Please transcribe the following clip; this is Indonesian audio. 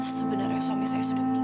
sebenarnya suami saya sudah meninggal